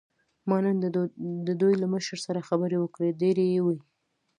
ما نن د دوی له مشر سره خبرې وکړې، ډېرې یې وې.